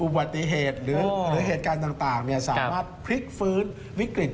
อุบัติเหตุหรือเหตุการณ์ต่างสามารถพลิกฟื้นวิกฤต